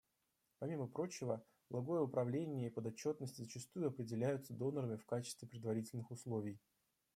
Помимо прочего, благое управление и подотчетность зачастую определяются донорами в качестве предварительных условий.